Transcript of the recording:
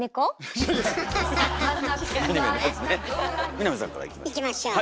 南さんからいきましょう。